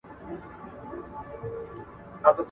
« صدقې لره یې غواړم د د لبرو.